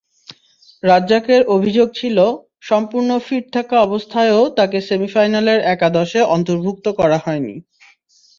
রাজ্জাকের অভিযোগ ছিল, সম্পূর্ণ ফিট থাকা অবস্থায়ও তাঁকে সেমিফাইনালের একাদশে অন্তর্ভুক্ত করা হয়নি।